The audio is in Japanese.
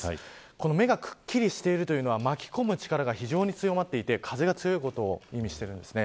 目がくっきりしてるというのは巻き込む力が非常に強まっていて風が強いことを意味しています。